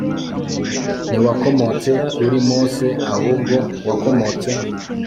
ntiwakomotse kuri Mose ahubwo wakomotse